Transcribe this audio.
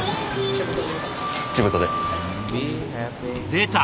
出た！